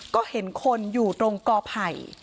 ก็เห็นคนอยู่ตรงกอไผ่